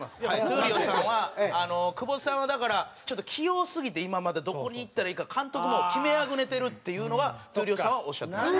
闘莉王さんはあの久保さんはだから器用すぎて今まだどこに行ったらいいか監督も決めあぐねてるっていうのは闘莉王さんはおっしゃってました。